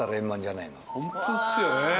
ホントっすよね。